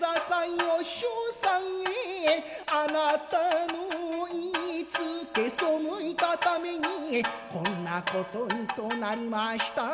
お師匠さんへあなたの言いつけ背いたためにこんな事にとなりました